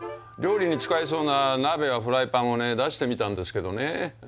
料理に使えそうな鍋やフライパンをね出してみたんですけどね。